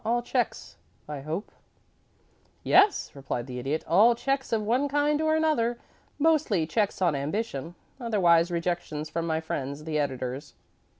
All checks, I hope?" "Yes," replied the Idiot. "All checks of one kind or another. Mostly checks on ambition otherwise, rejections from my friends the editors."